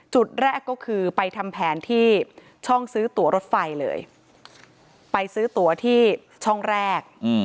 จุดแรกก็คือไปทำแผนที่ช่องซื้อตัวรถไฟเลยไปซื้อตัวที่ช่องแรก